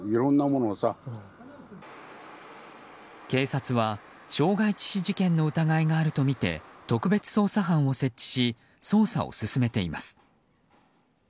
警察は傷害致死事件の疑いがあるとみて特別捜査班を設置し捜査を進めています。